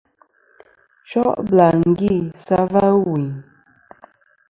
Cho' bɨlàŋgi sɨ a va ɨwùyn.